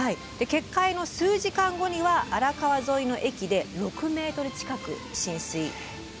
決壊の数時間後には荒川沿いの駅で６ｍ近く浸水。